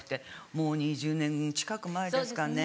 もう２０年近く前ですかね。